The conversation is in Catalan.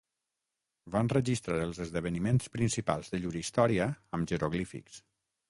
Van registrar els esdeveniments principals de llur història amb jeroglífics.